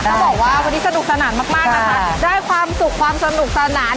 ต้องบอกว่าวันนี้สนุกสนานมากนะคะได้ความสุขความสนุกสนาน